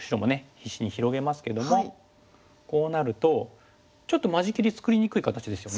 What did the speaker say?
必死に広げますけどもこうなるとちょっと間仕切り作りにくい形ですよね。